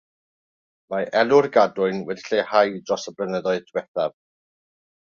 Mae elw'r gadwyn wedi lleihau dros y blynyddoedd diwethaf.